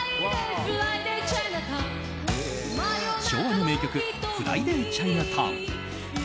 昭和の名曲「フライディ・チャイナタウン」。